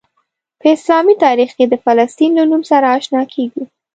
په اسلامي تاریخ کې د فلسطین له نوم سره آشنا کیږو.